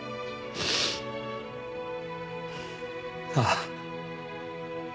ああ。